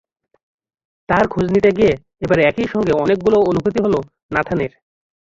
তাঁর খোঁজ নিতে গিয়ে এবার একই সঙ্গে অনেকগুলো অনুভূতি হলো নাথানের।